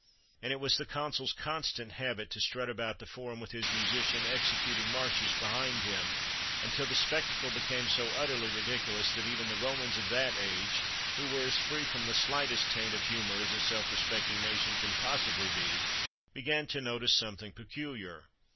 And it was the Consul's constant habit to strut about the Forum with his musician executing marches behind him, until the spectacle became so utterly ridiculous that even the Romans of that age, who were as free from the slightest taint of humour as a self respecting nation can possibly be, began to notice something peculiar.